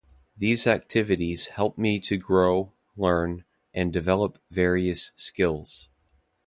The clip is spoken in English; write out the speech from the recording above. These activities help me to grow, learn, and develop various skills.